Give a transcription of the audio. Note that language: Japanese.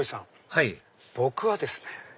はい僕はですね